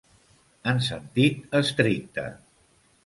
En sentit estricte.